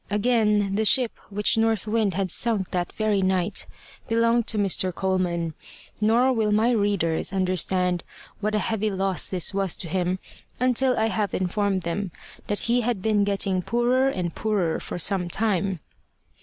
Again, the ship which North Wind had sunk that very night belonged to Mr. Coleman. Nor will my readers understand what a heavy loss this was to him until I have informed them that he had been getting poorer and poorer for some time.